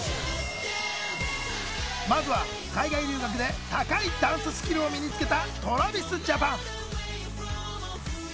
まずは海外留学で高いダンススキルを身につけたＴｒａｖｉｓＪａｐａｎ！